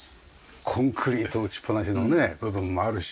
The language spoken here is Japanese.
コンクリート打ちっぱなしのねえ部分もあるし。